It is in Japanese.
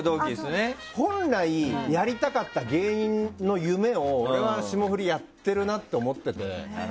本来やりたかった芸人の夢を霜降りやってるなって思ってて。